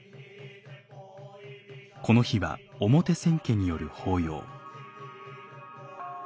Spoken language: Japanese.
この日は表千家による法要。